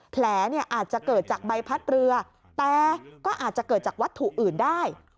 แผลเนี่ยอาจจะเกิดจากใบพัดเรือแต่ก็อาจจะเกิดจากวัตถุอื่นได้